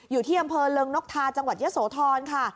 อยู่ที่อำเภอเริงนกทาจังหวัดเยอะโสธรค่ะ